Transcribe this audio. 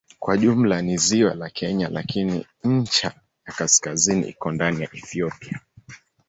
Kwa jumla ni ziwa la Kenya lakini ncha ya kaskazini iko ndani ya Ethiopia.